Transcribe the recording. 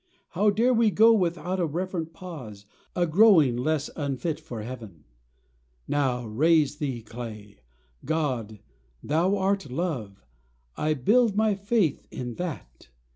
How dare we go without a reverent pause, A growing less unfit for Heaven ? Now, raise thee, clay ! God ! Thou art Love ! I build my faith in that